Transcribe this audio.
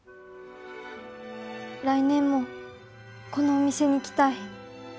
来年もこのお店に来たい。